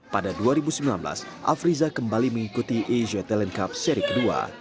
pada dua ribu sembilan belas afrizah kembali mengikuti asia talent cup seri ke dua